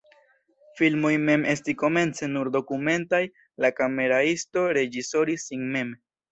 Filmoj mem estis komence nur dokumentaj, la kameraisto reĝisoris sin mem.